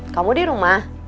kamu di rumah